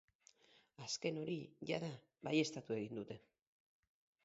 Azken hori jada baieztatu egin dute.